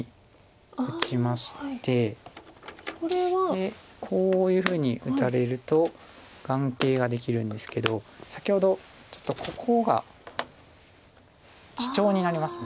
でこういうふうに打たれると眼形ができるんですけど先ほどちょっとここがシチョウになります